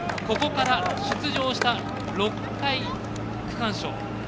ここから出場した６回、区間賞。